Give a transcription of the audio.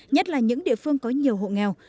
nhất là những địa phương có nhiều hộ nghèo